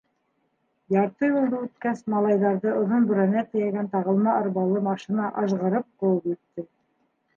Ярты юлды үткәс, малайҙарҙы оҙон бүрәнә тейәгән тағылма арбалы машина ажғырып ҡыуып етте.